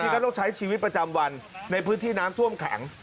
ก็ต้องใช้ชีวิตประจำวันในพื้นที่น้ำท่วมขัง